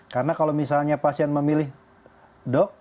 karena kalau misalnya pasien memilih dok